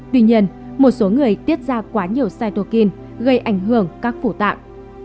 tuy nhiên một số người tiết ra quá nhiều cytokine gây ảnh hưởng các phủ tạng